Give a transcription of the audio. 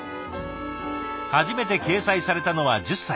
初めて掲載されたのは１０歳。